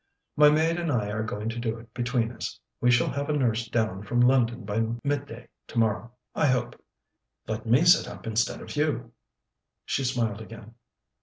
"My maid and I are going to do it between us. We shall have a nurse down from London by midday tomorrow, I hope." "Let me sit up instead of you." She smiled again.